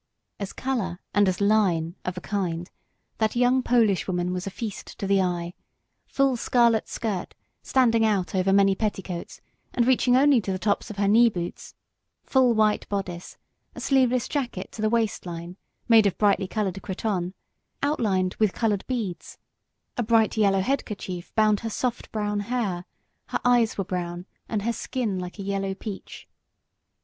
As colour and as line, of a kind, that young Polish woman was a feast to the eye; full scarlet skirt, standing out over many petticoats and reaching only to the tops of her knee boots, full white bodice, a sleeveless jacket to the waist line, made of brightly coloured cretonne, outlined with coloured beads; a bright yellow head kerchief bound her soft brown hair; her eyes were brown, and her skin like a yellow peach.